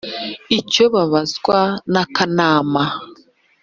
icyo babazwa n’ akanama